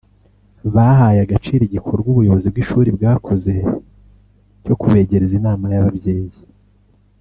bahaye agaciro igikorwa ubuyobozi bw’ishuri bwakoze cyo kubegereza inama y’ababyeyi